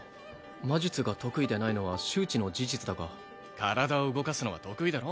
魔術が得意でないのは周知の事実だが体を動かすのは得意だろ？